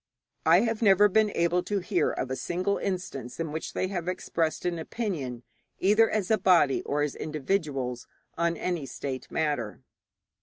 I have never been able to hear of a single instance in which they even expressed an opinion either as a body or as individuals on any state matter.